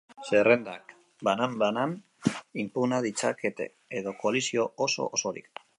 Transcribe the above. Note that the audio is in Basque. Zerrendak banan banan inpugna ditzakete, edo koalizio oso osorik.